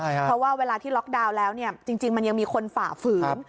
เพราะว่าเวลาที่ล็อกดาวน์แล้วจริงมันยังมีคนฝ่าฝืน